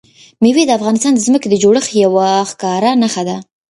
مېوې د افغانستان د ځمکې د جوړښت یوه ښکاره نښه ده.